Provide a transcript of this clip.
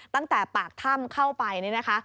ตั้งแต่ปากถ้ำเข้าไปนี่นะคะ